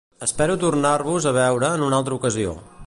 Espero tornar-vos a veure en una altre ocasió.